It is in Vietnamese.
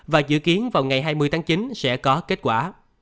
và dự kiến vào ngày hai mươi tháng chín sẽ có kết quả